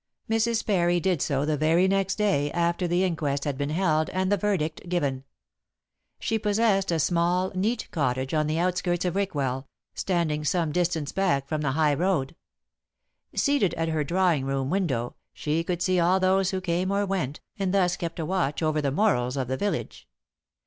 Mrs. Parry did so the very next day after the inquest had been held and the verdict given. She possessed a small, neat cottage on the outskirts of Rickwell, standing some distance back from the high road. Seated at her drawing room window, she could see all those who came or went, and thus kept a watch over the morals of the village.